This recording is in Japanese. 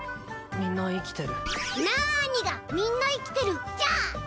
みんな生きてるなーにがみんな生きてるじゃ！